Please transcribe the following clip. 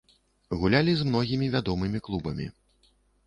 Гулялі з многімі вядомымі клубамі.